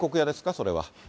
それは。